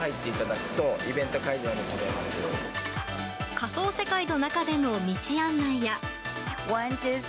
仮想世界の中での道案内や。